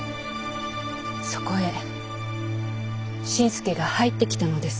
そこへ新助が入ってきたのです。